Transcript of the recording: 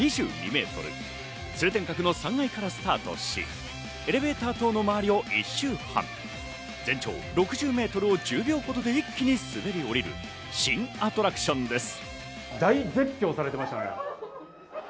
地上およそ２２メートル、通天閣の３階からスタートし、エレベーター塔の周りを１周半、全長６０メートルを１０秒ほどで一気に滑り降りる新アトラクションです。